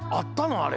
あれ。